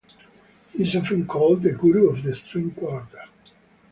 He is often called the "guru of the string quartet".